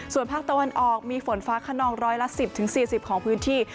ส่วนภาคตะวันออกมีฝนฟ้าขนองร้อยละ๑๐๔๐ของพื้นที่